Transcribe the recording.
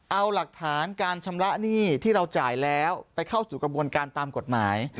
เอาหลักฐานการชำระหนี้ที่เราจ่ายแล้วไปเข้าสู่กระบวนการตามกฎหมาย